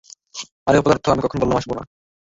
আরে অপদার্থ, আমি কখন বল্লাম আসবেনা।